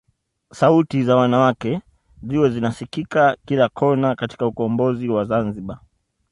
Sauti za wanawake ziwe zinasikika kila kona katika ukombozi wa Zanzibar